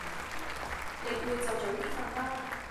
你攰就早啲瞓啦